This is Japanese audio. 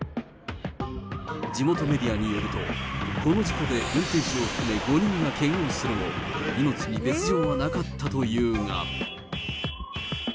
地元メディアによると、この事故で運転手を含め５人がけがをするも、命に別状はなかったというが。